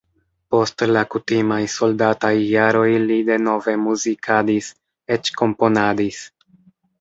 Post la kutimaj soldataj jaroj li denove muzikadis, eĉ komponadis.